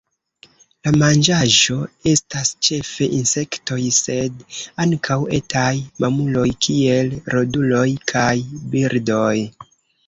La manĝaĵo estas ĉefe insektoj, sed ankaŭ etaj mamuloj, kiel roduloj kaj birdoj.